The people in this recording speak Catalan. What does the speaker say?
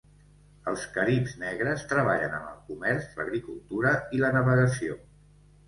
Els caribs negres treballen en el comerç, l'agricultura i la navegació.